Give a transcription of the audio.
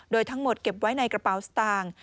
โดยทั้งหมดเก็บไว้ในกระเป๋าสตางค์